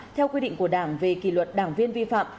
theo quy định của đảng về kỷ luật đảng viên vi phạm